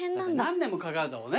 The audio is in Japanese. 何年もかかるんだもんね。